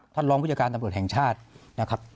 รองผู้จัดการตำรวจแห่งชาตินะครับ